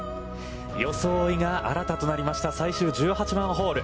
装いが新たとなりました、最終１８番ホール。